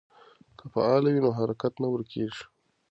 که فعل وي نو حرکت نه ورکېږي.